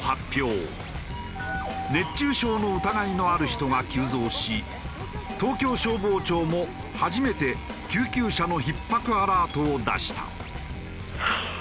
熱中症の疑いのある人が急増し東京消防庁も初めて救急車のひっ迫アラートを出した。